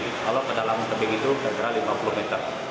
kalau ke dalam tebing itu kira kira lima puluh meter